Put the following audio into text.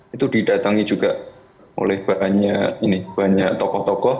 itu didatangi juga oleh banyak tokoh tokoh